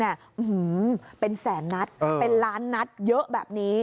เป็นแสนนัดเป็นล้านนัดเยอะแบบนี้